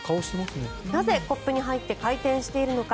なぜコップに入って回転しているのか。